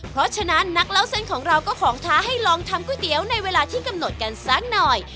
เพราะฉะนั้นนักเล่าเส้นของเราก็ขอท้าให้ลองทำก๋วยเตี๋ยวในเวลาที่กำหนดกันสักหน่อย